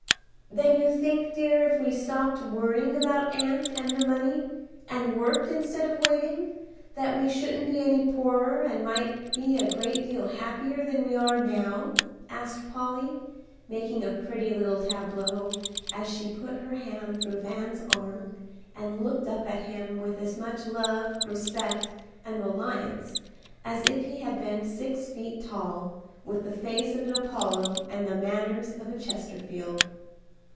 "Then you think, dear, if we stopped worrying about aunt and her money, and worked instead of waiting, that we shouldn't be any poorer and might be a great deal happier than we are now?" asked Polly, making a pretty little tableau as she put her hand through Van's arm and looked up at him with as much love, respect, and reliance as if he had been six feet tall, with the face of an Apollo and the manners of a Chesterfield.